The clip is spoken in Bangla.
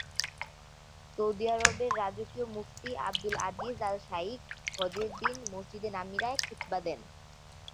সৌদি আরবের রাজকীয় মুফতি আব্দুল আজিজ আল শাইখ হজের দিন মসজিদে নামিরায় খুতবা দেন।